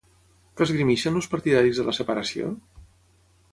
Què esgrimeixen els partidaris de la separació?